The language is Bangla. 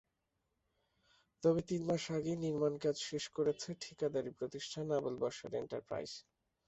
তবে তিন মাস আগেই নির্মাণকাজ শেষ করেছে ঠিকাদারি প্রতিষ্ঠান আবুল বশর এন্টারপ্রাইজ।